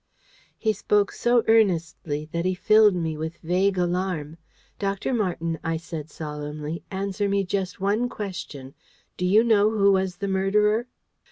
He spoke so earnestly that he filled me with vague alarm. "Dr. Marten," I said solemnly, "answer me just one question. Do you know who was the murderer?"